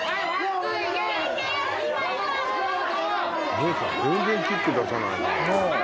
・姉さん全然キック出さないな。なぁ。